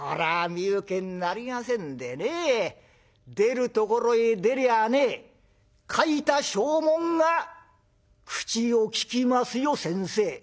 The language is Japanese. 身請けになりませんでね出るところへ出りゃあね書いた証文が口を利きますよ先生」。